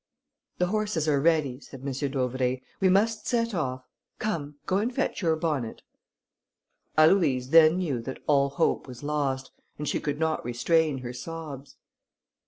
"The horses are ready," said M. d'Auvray, "we must set off; come, go and fetch your bonnet." Aloïse then knew that all hope was lost, and she could not restrain her sobs.